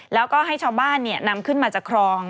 แล้วก็ให้ชาวบ้านนำขึ้นมาจากครอง